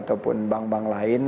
atau bank bank lain